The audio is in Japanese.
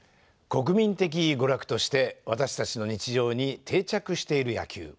国民的娯楽として私たちの日常に定着している野球。